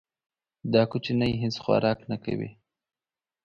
دا کوچنی هیڅ خوراک نه کوي.